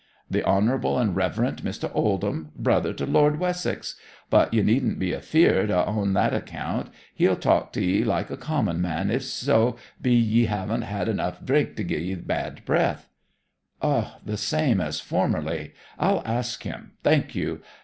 'The honourable and reverent Mr. Oldham, brother to Lord Wessex. But you needn't be afeard o' en on that account. He'll talk to 'ee like a common man, if so be you haven't had enough drink to gie 'ee bad breath.' 'O, the same as formerly. I'll ask him. Thank you.